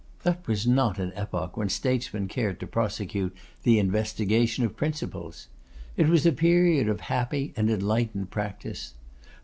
That was not an epoch when statesmen cared to prosecute the investigation of principles. It was a period of happy and enlightened practice.